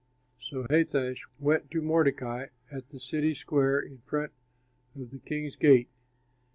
So Hathach went to Mordecai at the city square in front of the king's gate.